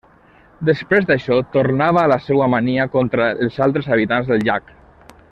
Després d'això tornava a la seua mania contra els altres habitants del llac.